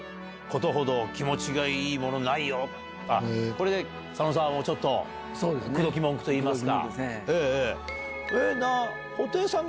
これで佐野さんを口説き文句といいますか。